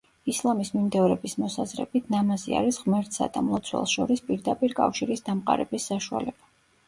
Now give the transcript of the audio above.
ისლამის მიმდევრების მოსაზრებით ნამაზი არის ღმერთსა და მლოცველს შორის პირდაპირ კავშირის დამყარების საშუალება.